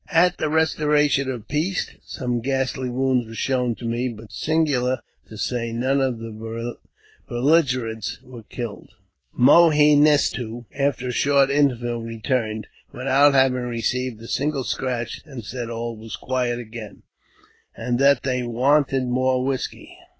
At the restoration of peace, some ghastly wounds were shown to me, but, singular to say, none of the belligerents were killed. Mo he nes to, after a short interval, returned, without having received a single scratch, and said all was quiet again, and they wanted more whisky.